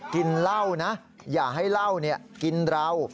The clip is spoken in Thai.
กินเหล้านะอย่าให้เหล้ากินเรา